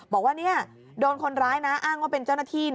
บอกว่าโดนคนร้ายนะอ้างว่าเป็นเจ้าหน้าที่